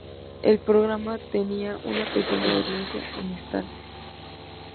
El programa tenía una pequeña audiencia en estantes.